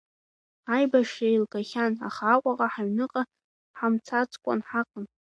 Аибашьра еилгахьан, аха Аҟәаҟа ҳаҩныҟа ҳамцацкәан ҳаҟан.